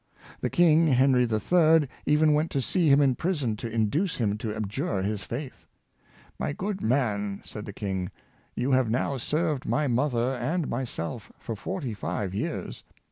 The king, Henry III., even went to see him in prison to in duce him to abjure his faith. " My good man,'' said the King, '' you have now served my mother and my self for forty five 3^ears.